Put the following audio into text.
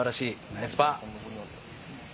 ナイスパー！